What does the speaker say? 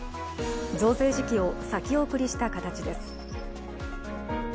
増税時期を先送りした形です。